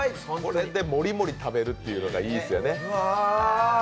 これでもりもり食べるっていうのがいいんですよね。